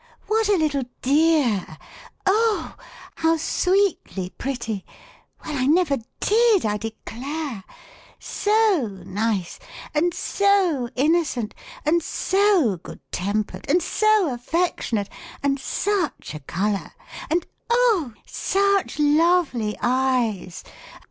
" What a little dear ! Oh ! how sweetly pretty ! Well ! I never did, I declare ! So nice, and so innocent, and so good tempered, and so affectionate, and such a color ! And oh ! such lovely eyes